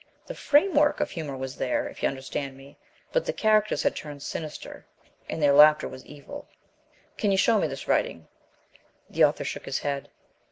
The framework of humour was there, if you understand me, but the characters had turned sinister, and their laughter was evil." "Can you show me this writing?" The author shook his head.